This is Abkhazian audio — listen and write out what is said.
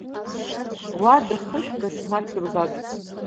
Уада хышәкаҿ ма ҽырбагас…